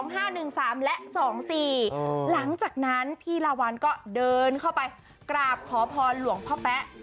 หลังจากนั้นพี่ลาวัลก็เดินเข้าไปกราบขอพรหลวงพ่อแป๊ะ